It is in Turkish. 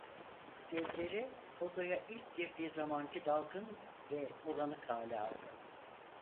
Gözleri odaya ilk girdiği zamanki dalgın ve bulanık hali aldı.